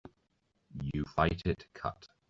You fight it cut.